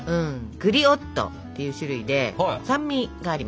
グリオットっていう種類で酸味があります。